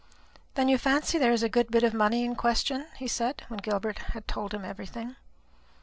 "Then you fancy there is a good bit of money in question?" he said, when Gilbert told him everything.